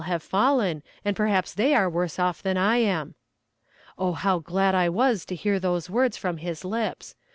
have fallen, and perhaps they are worse off than I am." Oh how glad I was to hear those words from his lips.